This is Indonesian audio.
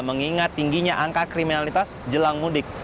mengingat tingginya angka kriminalitas jelang mudik